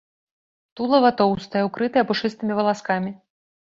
Тулава тоўстае, укрытае пушыстымі валаскамі.